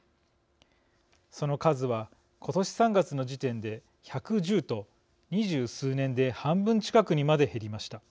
その数は今年３月の時点で１１０と二十数年で半分近くにまで減りました。